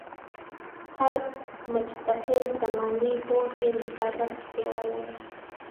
هر مجتهد زمانې پوهې مطابق څېړلې.